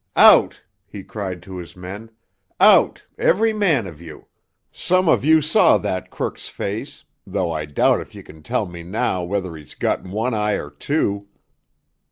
"Out!" he cried to his men. "Out—every man of you! Some of you saw that crook's face—though I doubt if you can tell me now whether he's got one eye or two.